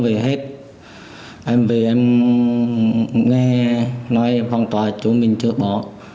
em về hết em về em nghe nói phong tỏa chỗ mình chưa bỏ